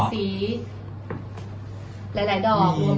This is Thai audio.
หลายดอก